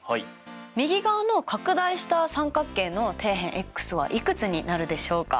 右側の拡大した三角形の底辺ｘはいくつになるでしょうか？